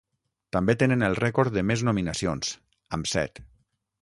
També tenen el rècord de més nominacions, amb set.